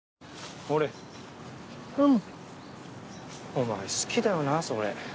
お前好きだよなそれ。